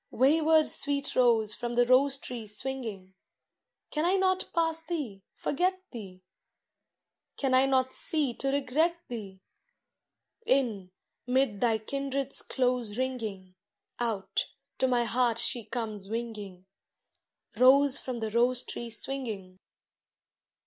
Wayward sweet rose from the rose tree swinging, Can I not pass thee, forget thee ? Can I not see to regret thee? In — 'mid thy kindred's close ringing, Out — to my heart she comes winging. Rose from the rose tree swinging.